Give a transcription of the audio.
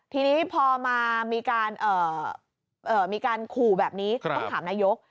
ทีนี้พอมามีการขู่แบบนี้ต้องถามนายก